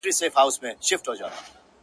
o تقدير په تدبير پوري خاندي.